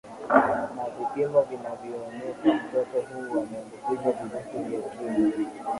na vipimo vinaonyesha mtoto huyu ameambukizwa virusi vya ukimwi